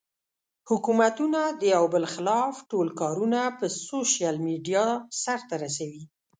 حکومتونه د يو بل خلاف ټول کارونه پۀ سوشل ميډيا سر ته رسوي